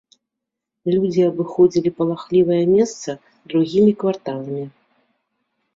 Людзі абыходзілі палахлівае месца другімі кварталамі.